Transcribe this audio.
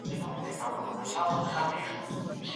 ساینس د څېړونکو له پاره د زړو متنونو لوستل ډېر اسانه کړي دي.